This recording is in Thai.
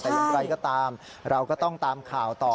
แต่อย่างไรก็ตามเราก็ต้องตามข่าวต่อ